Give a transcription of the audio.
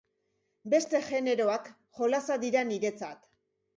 Beste generoak jolasa dira niretzat.